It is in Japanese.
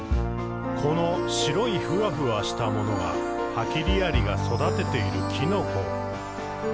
「この白いふわふわしたものがハキリアリが育てているきのこ。」